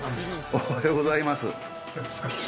おはようございます